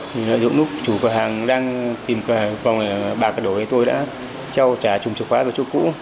thì lúc chủ cửa hàng đang tìm cửa hàng vòng bạc đổi thì tôi đã treo trả chùm chìa khóa vào chỗ cũ